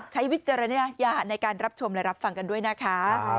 วิจารณญาณในการรับชมและรับฟังกันด้วยนะคะ